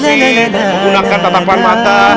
menggunakan tatapan mata